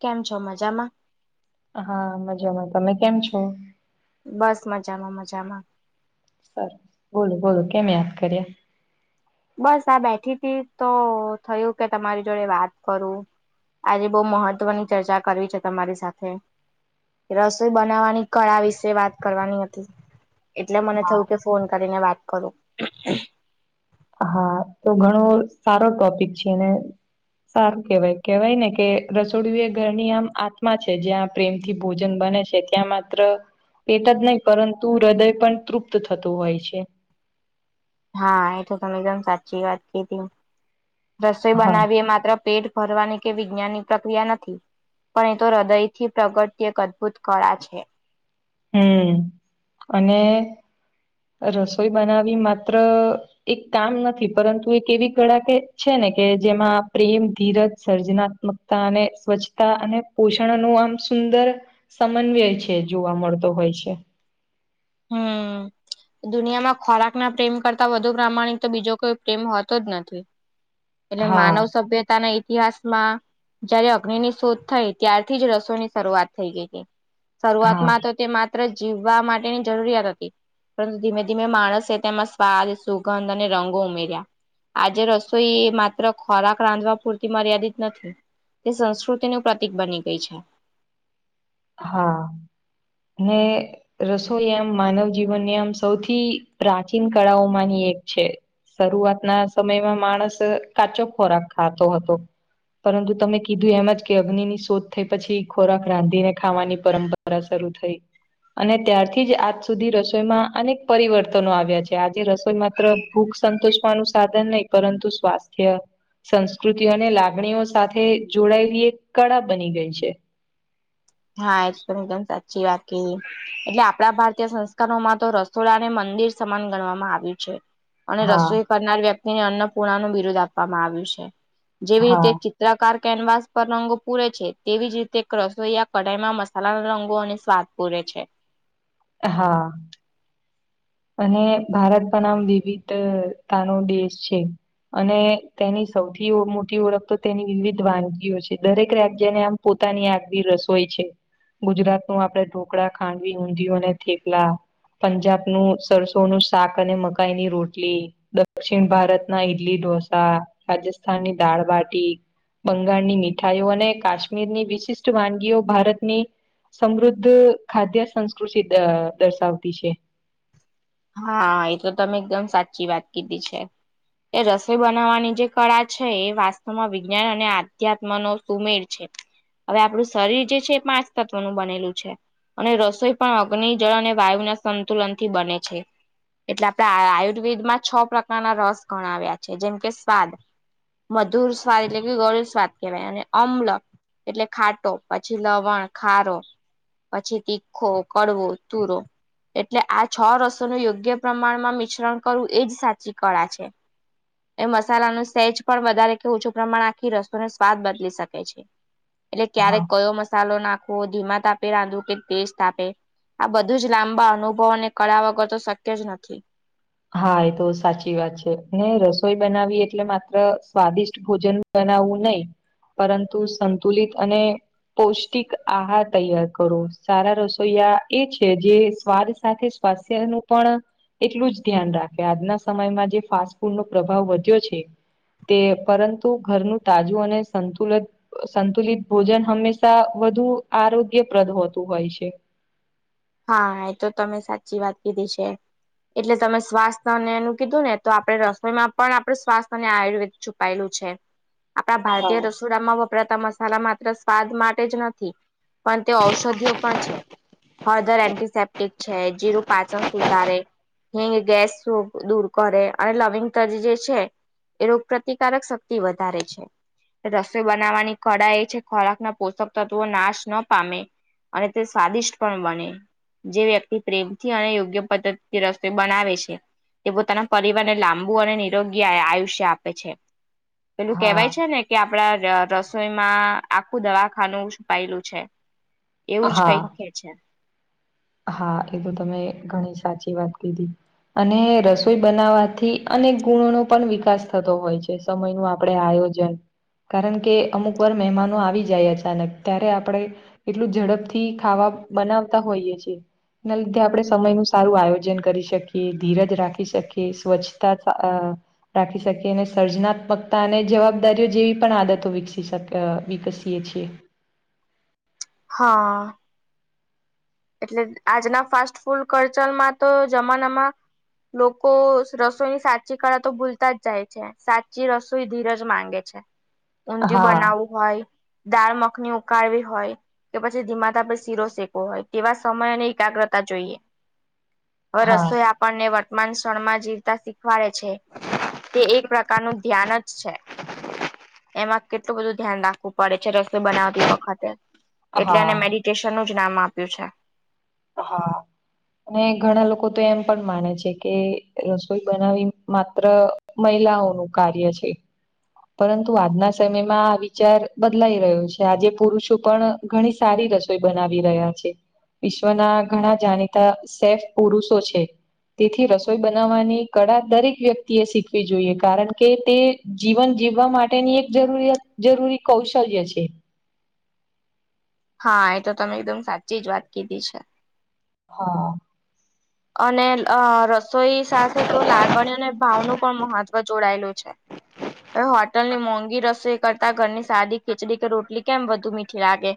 કેમ છો મજામાં હા મજામાં. તમે કેમ છો? બસ મજામાં મજામાં. સરસ બોલો બોલો કેમ યાદ કર્યા. બસ આ બેઠી તી તો થયું કે તમારી જોડે વાત કરું. આજે બહુ મહત્વની ચર્ચા કરવી છે તમારી સાથે. રસોઈ બનાવવાની કળા વિશે વાત કરવાની હતી એટલે મને થયું કે હા ફોન કરીને વાત કરું હા તો ઘણો સારો ટોપિક છે એને સારું કેવાય કેવાય ને કે રસોડું એ ઘરની આમ આત્મા છે જ્યાં પ્રેમથી ભોજન બને છે ત્યાં માત્ર એ તો જ નહી પરંતુ હૃદય પણ તૃપ્ત થતું હોય છે હા એ તો તમે એકદમ સાચી વાત કીધી રસોઈ હા બનાવીએ માત્ર પેટ ભરવાની કે વિજ્ઞાન ની પ્રક્રિયા નથી પણ એ તો હૃદય થી પ્રગટતી એક અદભુત કળા છે હમ્મ અને રસોઈ બનાવી માત્ર એક કામ નથી પરંતુ એક એવી કળા કે છે ને કે જેમાં પ્રેમ ધીરજ સર્જનાત્મક અને સ્વચ્છતા અને પોષણ નું આમ સુંદર સમન્વય છે જોવા મળતો તો હોય છે હમ્મ દુનિયામાં ખોરાક ના પ્રેમ કરતા વધુ પ્રામાણિક તો બીજો કોઈ પ્રેમ હોતો જ નથી એટલે હા માનવ સભ્યતા ના ઇતિહાસમાં જયારે અગ્નિ ની શોધ થઈ ત્યારથી જ રસોઈની શરૂઆત થઈ ગઈ હતી હા શરૂઆતમાં તો તે માત્ર જીવવા માટેની જરૂરિયાત હતી પરંતુ ધીમે ધીમે માણસે તેમાં સ્વાદ સુગંધ અને રંગો ઉમેર્યા આજે રસોઈ માત્ર ખોરાક રાંધવા પૂરતી મર્યાદિત નથી તે સંસ્કૃતિનું પ્રતિક બની ગઈ છે હા રસોઈ આમ માનવ જીવનની આમ સૌથી પ્રાચીન કળાઓમાંની એક છે શરૂઆત ના સમયમાં માણસ કાચો ખોરાક ખાતો હતો પરંતુ તમે કીધું એમ જ કે અગ્નિની શોધ થઈ પછી ખોરાક રાંધીને ખાવાની પરંપરા શરૂ થઈ અને ત્યારથી જ આજ સુધી રસોઈમાં અનેક પરિવર્તનો આવ્યા છે આજે રસોઈ માત્ર ભૂખ સંતોષવાનું સાધન નહી પરંતુ સ્વાસ્થ્ય સંસ્કૃતિ અને લાગણીઓ સાથે જોડાયેલી એક કળા બની ગઈ છે હા એ તો તમે સાચી વાત કિદી એટલે આપણા ભારતીય સંસ્કારોમાં તો રસોડાને મંદિર સમાન ગણવામાં આવ્યું છે અને હા રસોઈ કરનાર વ્યક્તિને અન્નપૂર્ણા નું બિરોધ આપવામાં આવ્યું છે જેવી હા રીતે પ્રકાર કેનવાસ પર રંગો પૂરે છે તેવી જ રીતે રસોઈયા કઢાઈ માં મસાલા ના રંગો અને સ્વાદ પૂરે છે હા અને ભારત પણ આમ વિવિધતાનો દેશ છે અને તેની સૌથી મોટી ઓળખ તો તેની વિવિધ વાનગીઓ છે દરેક રાજ્યને આમ પોતાની આગ બી રસોઈ છે ગુજરાત નું આપડે ઢોકળા ખાંડવી ઊંધિયુ અને થેપલા પંજાબ નું સરસો નું શાક અને મકાઈ ની રોટલી દક્ષિણ ભારતના ઈડલી ઢોસા રાજસ્થાનની દાળબાટી બંગાળની મીઠાઈઓ અને કાશ્મીરની વિશિષ્ટ વાનગીઓ ભારતની સમૃદ્ધ ખાદ્ય સંસ્કૃતિ દર્શાવતી છે હા એ તો તમે એકદમ સાચી વાત કીધી છે. એ રસો બનાવવાની જે કળા છે એ વાસ્તવમાં વિજ્ઞાન અને આધ્યાત્મનોો સુમેર છે. હવે આપણું શરીર જે છે એ પાંચ તત્વનું બનેલું છે અને રસોઈ પણ અગ્નિ જળ અને વાયુના સંતુલન થી બને છે એટલે આપડે આયુર્વેદમાં છ પ્રકારના રસ ગણાવ્યા છે જેમ કે સ્વાદ મધુર સ્વાદ એટલે કે ગળ્યું સ્વાદ કહેવાય અને અમ્લક એટલે ખાટો પછી લવણ ખારો પછી તીખો કડવો તુરો એટલે આ છ રસ યોગ્ય પ્રમાણમાં મિશ્રણ કરવું એજ સાચી કળા છે. એ મસાલા નું સેજ પણ વધારે કે ઓછું પ્રમાણ આખી રસોઈ નો સ્વાદ બદલી શકે છે. [inaudible] એટલે હા ક્યારેક કયો મસાલો નાખવો ધીમા તાપે રાંધો કે ટેસ્ટ આપે આ બધું જ લાંબા અનુભવોને કળા વગર તો શક્ય જ નથી. હા એ તો સાચી વાત છે. ને રસોઈ બનાવી એટલે માત્ર સ્વાદિષ્ટ ભોજન બનાવવું નહીિ પરંતુ સંતુલિત અને પૌષ્ટિક આહાર તૈયાર કરો સારા રસોઈયા એ છે જે સ્વાદ સાથે [unintelligible] નું પણ એટલું જ ધ્યાન રાખે આજના સમયમાં જે ફાસ્ટ ફૂડ નો પ્રભાવ વધ્યો છે તે પરંતુ ઘરનું તાજું અને સંતુલન સંતુલિત ભોજન હંમેશા વધુ આરોગ્યપ્રદ હોતું હોય છે. હા એ તો તમે સાચી વાત કીધી છે. એટલે તમે સ્વાસ્થ અને એનું કીધું ને તો આપડણે રસોઈમાં પણ આપડે સ્વાસ્થ્ય અને આયુર્વેદ છુપાયેલું છે. [inaudible] આપણા ભારતીય હા રસોડામાં વપરાતા મસાલા માત્ર સ્વાદ માટે જ નથી. પણ તે ઔષધિઓ પણ છે. ફર્ધર એન્ટિસેપ્ટિક છે જીરું પાચન સુધારે. એ ગેસ [unintelligible] દૂર કરે અને લવિંગ તજ જે છે એ રોગપ્રતિકારક શક્તિ વધારે છે. રસોઈ બનાવવાની કળા એ છે ખોરાક ના પોષક તત્વો નાશ ન પામે. અને તે સ્વાદિષ્ટ પણ બને. જે વ્યક્તિ પ્રેમથી અને યોગ્ય પદ્ધતિથી રસ્ઈ બનાવે છે. તે પોતાના પરિવારને લાંબુ અને નિરોગી આયુષ્ય આપે છે પેલું હા કેહેવાય છે ને કે આપડા રસોઈમાં આખું દવાખાનું છુપાયેલું છે. એવું જ હા કઈક કે છે. હા એ તો તમે ઘણી સાચી વાત કીધી. અને રસોઈ બનાવવાથી અનેક ગુણો નો પણ વિકાસ થતો હોય છે. સમય નું આપડે આયોજન કારણ કે અમુક વાર મહેમાનો આવી જાય અચાનક ત્યારે આપણે એટલું ઝડપથી ખાવા બનાવતા હોઈએ છીએ. [unintelligible] એ લીધે આપડે સમય નું સારું આયોજન કરી શકીએ ધીરજ રાખી શકીએ સ્વચ્છ ત અ રાખી શકીએ અને સર્જનાત્મકતા અને જવાબદારીઓ જેવી પણ આદતો વિકસી શકે વિકસીએ છીએ. હા. એટલે આજના ફાસ્ટ ફૂડ કરચલમાં તો જમાનામાં લોકો રસોઈની સાચી કળા તો ભૂલતા જ જાય છે સાચી રસોઈ ધીરજ માંગે છે. ઊંધિયું હા બનાવવું હોય દાળ મખની ઉકાળવી હોય કે પછી ધીમા તાપે શીરો શેકવો હોય. તેવા સમય અને એકાગ્રતા જોઈએ [inaudible] હવે હા રસોઈ આપ ને વર્તમાન ક્ષણમાં જીવતા વાડે છે તે એક પ્રકારનું ધ્યાન જ છે એમાં કેટલું બધું ધ્યાન રાખવું પડે છે રસોઈ બનાવતી વખતે એટલે એને હા મેડિટેશન નું જ નામ આપવુ. રૂસા. હા. અને ઘણા લોકો તો એમ પણ માને છે કે રસોઈ બનાવી માત્ર મહિલાઓનું કાર્ય છે. પરંતુ આજના સમયમાં આ વિચાર બદલાઈ રહ્યો છે, આજે પુરુષો પણ ઘણી સારી રસોઈ બનાવી રહ્યા છે. વિશ્વના ઘણા જાણીતા સેફ પુરુષો છે. તેથી રસોઈ બનાવવાની કળા દરેક વ્યક્તિ એ શીખવી જોઈએ, કારણ કે તે જીવન જીવવા માટેની એક જરૂર જરૂરી કૌશલ્ય છે. હા, એ તો તમે એકદમ સાચી જ વાત કીધી છે. હા. અને અ રસોઈ સાથે તો લાગણી અને ભાવનું પણ મહત્વ જોડાયેલું છે. હવે હોટલની મોંઘી રસોઈ કરતા, ઘરની સાદી ખીચડી કે રોટલી કેમ વધુ મીઠી લાગે.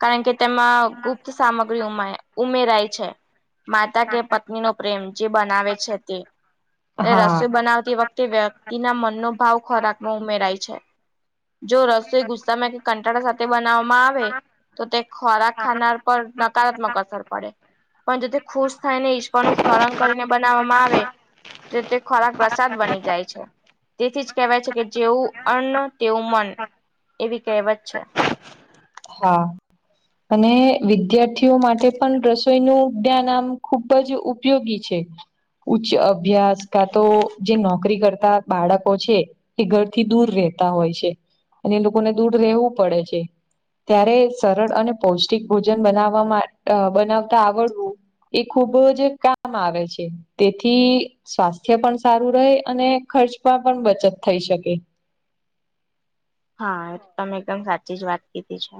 કારણ કે તેમાં ગુપ્ત સામગ્રી ઉમેરાય છે. માતા કે પત્ની નો પ્રેમ જે બનાવે છે, તે હા રસોઈ બનાવતી વખતે તે વ્યક્તિના મનનો ભાવ ખોરાકમાં ઉમેરાય છે. જો રસોય ગુસ્સામાં કે કંટાળ સાથે બનાવવામાં આવે તો, તે ખોરાક ખાનાર પર નકારાત્મક અસર પડે. પણ જેથી ખુશ થાય ને ઈક્ષ પણુ સ્મરણ કરીને બનાવવામાં આવે, તો તે ખોરાક પ્રસાદ બની જાય છે, તેથી જ કહેવાય છે કે, જેવું અન તેવું મન એવી કહેવત છે. હા. અને વિદ્યાર્થીઓ માટે પણ રસોઈનું જ્ઞાન આમ ખૂબ જ ઉપયોગી છે. ઉચ્ચ અભ્યાસ કાં તો જે નોકરી કરતા બાળકો છે. એ ઘરથી દૂર રહેતા હોય છે, અને એ લોકોને દૂર રહેવું પડે છે. ત્યારે સરળ અને પૌષ્ટિક ભોજન બનાવવા બનાવતા આવડવું. એ ખુબ જ કામ આવે છે. તેથી સ્વાસ્થ્ય પણ સારું રહે, અને ખર્ચ પણ પણ બચત થઈ શકે. હા, તમે એકદમ સાચી જ વાત કીધી છે.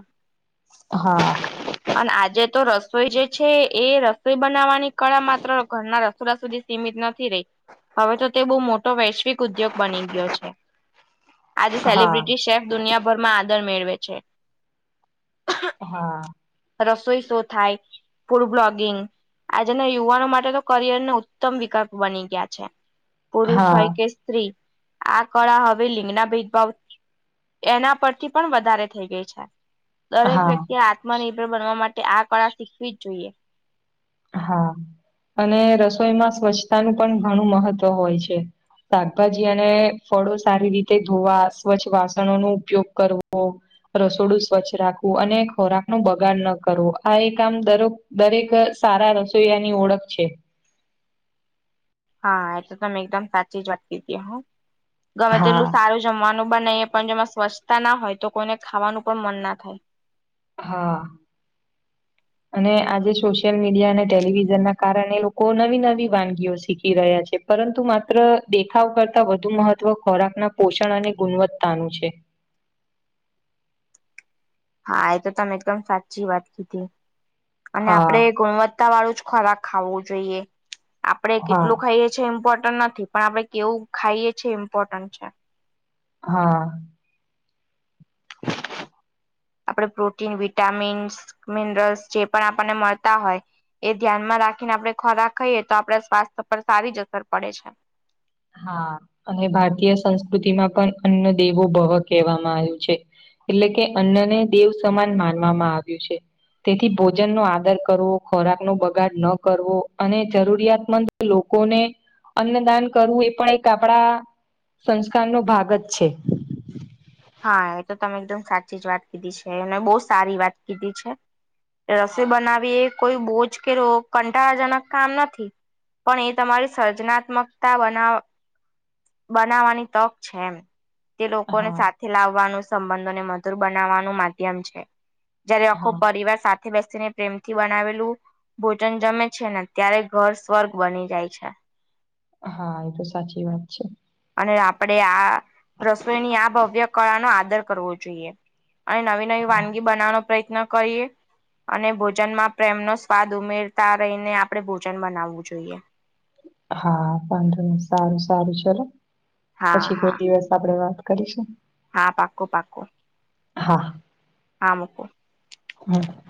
હા. અને આજે તો રસોઈ જે છે, એ રસોઈ બનાવવાની કળા માત્ર ઘરના રસો સુધી સીમિત નથી રહી, હવે તો, તે બહુ મોટો વૈશ્વિક ઉદ્યોગ બની ગયો છે. [inaudible] આજે હા સેલિબ્રિટી શેફ દુનિયાભરમાં આદર મેળવે છે. હા. રસોઈ શો થાય, ફૂડ બ્લોગિંગ. આજના યુવાનો માટે તો કરિયર ન ઉત્તમ વિકલ્પ બની ગયા છે, પુરુષ હોય કે સ્ત્રી, આ કળા હવે લિંગના ભેદભાવ એના પરથી પણ વધારે થઈ ગઈ છે. દરેક હા વ્યક્તિ આત્મનિર્ભર બનવા માટે આ કળા શીખવી જ જોઈએ. હા, અને રસોઈમાં સ્વચ્છતાનું પણ ઘણું મહત્વ હોય છે. શાકભાજી અને ફળો સારી રીતે ધોવા સ્વચ્છ વાસણો નો ઉપયોગ કરવો. રસોડું સ્વચ્છ રાખવું અને ખોરાક નું બગાડ ન કરવું આ એ કામ દરેક સારા રસોઈયા ની ઓળખ છે. હા, એ તો તમે એકદમ સાચી જ વાત કધી. હું ગમે તેટલું હા. સારું જમવાનું બનાએ પણ જેમાં સ્વચછતા ના હોય, તો કોઈને ખાવાનું પણ મન ના થાય. હા. અને આજે સોશિયલ મીડિયા અને ટેલિવિઝન ના કારણે લોકો નવી-નવી વાનગીઓ શીખી રહ્યા છે. પરંતુ માત્ર દેખાવ કરતા વધુ મહત્વ ખોરાકના પોષણ અને ગુણવત્તાનું છે. હા, એ તો તમે એકદમ સાચી વાત કીધી. અને હા આપડે ગુણવત્તા ગુણવત્તા વાળું જ ખોરાક ખાવું જોઈએ, આપણે હા કેટલું ખાઈએ છે, એ ઇમ્પોર્ટન્ટ નથી. પણ આપડે કેવું ખાઈએ છીએ, એ ઇમ્પોર્ટન્ટ છે. હા આપણે પ્રોટીન વિટામીન્સ મિનરલ્સ જે પણ આપણને મળતા હોય. એ ધ્યાનમાં રાખીને આપડણે ખોરાક ખાઈએ તો આપણા સ્વાસ્થ્ય પર સારી જ અસર પડે છે. હા અને ભારતીય સંસ્કૃતિ માં પણ અન્ન દેવો ભવ કહેવામાં આવ્યું છે. એટલે કે અન્નને દેવ સમાન માનવામાં આવ્યું છે. તેથી ભોજન નો આદર કરવો ખોરાક નો બગાડ ન કરવો અને જરૂરિયાતમંદ લોકોને અન્નદાન કરવું એ પણ એક આપણા સંસ્કાર નો ભાગ જ છે. હા એ તો તમે એકદમ સાચી જ વાત કીધી છે મે બહુ સારી વાત કીધી છે. રસી હા બનાવી એ કોઈ બોજ કે રો કંટાળાજનક કામ નથી. પણ એ તમારી સર્જનાત્મકતા બનાવ બનાવાની તક છે એમ. તે લોકોને હા સાથે લાવવાનું સંબંધોને મધુર બનાવવાનું માધ્યમ છે. જયારે આખો હા પરિવાર સાથે બેસીને પ્રેમથી બનાવેલું ભોજન જમે છે ને ત્યારે ઘર સ્વર્ગ બની જાય છે. હા એ તો સાચી વાત છે. અને આપણેે આ રસોઈની આ ભવ્ય કળાનો આદર કરવો જોઈએ અને નવી હા. વાનગી બનાવવાનો પ્રયત્ન કરીએ. અને ભોજનમાં પ્રેમનો સ્વાદ ઉમેરતા રહીને આપણે ભોજન બનાવવું જોઈએ. હા વાધો નહીં સારું સારું ચલો હા પછી હા કોઈ દિવસ આપણેે વાત કરીશું. હા પાકું પાકું. હા. હા મુકું. હા.